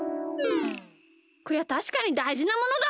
こりゃたしかにだいじなものだ！